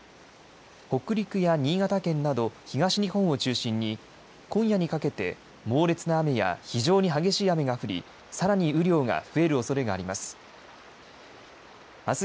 北陸や新潟県など東日本を中心に今夜にかけて猛烈な雨や非常に激しい雨が降り、さらに雨量が増えるおそれがあります。